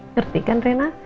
ngerti kan rena